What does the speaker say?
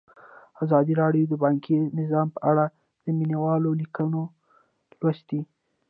ازادي راډیو د بانکي نظام په اړه د مینه والو لیکونه لوستي.